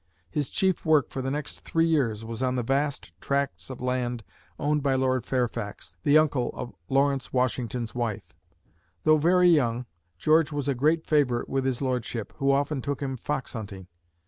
His chief work for the next three years was on the vast tracts of land owned by Lord Fairfax, the uncle of Lawrence Washington's wife. Though very young, George was a great favorite with his lordship, who often took him fox hunting.